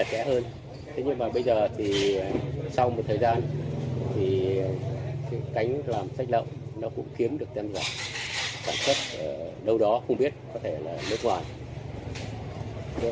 nhưng mà bây giờ thì sau một thời gian thì cánh làm sách lậu nó cũng kiếm được danh dạng sản xuất đâu đó không biết có thể là nước ngoài